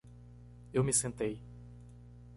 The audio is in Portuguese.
Eu me sentei.